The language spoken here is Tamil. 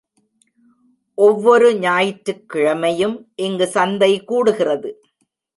ஒவ்வொரு ஞாயிற்றுக்கிழமையும் இங்குச் சந்தை கூடுகிறது.